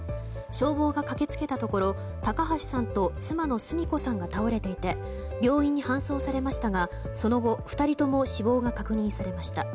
消防が駆け付けたところ高橋さんと妻の澄子さんが倒れていて病院に搬送されましたがその後、２人とも死亡が確認されました。